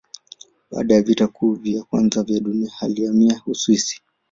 Baada ya Vita Kuu ya Kwanza ya Dunia alihamia Uswisi.